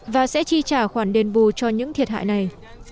và sẽ chi trả khoản đền bù cho những thiệt hại này